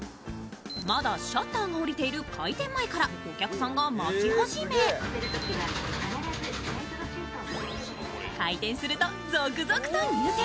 まだシャッターが下りている開店前からお客さんが待ち始め、開店すると、続々と入店。